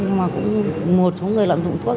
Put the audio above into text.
nhưng mà cũng một số người lạm dụng thuốc